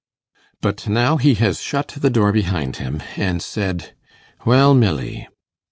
But now he has shut the door behind him, and said, 'Well, Milly!